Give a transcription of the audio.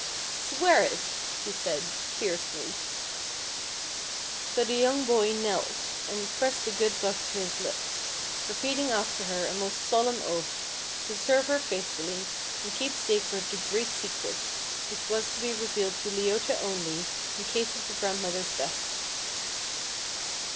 "Swear it!" she said, fiercely. So the young boy knelt, and pressed the good book to his lips, repeating after her a most solemn oath, to serve her faithfully, and keep sacred the great secret, which was to be revealed to Leota only, in case of the grandmother's death.